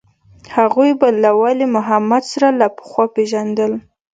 هغوى به له ولي محمد سره له پخوا پېژندل.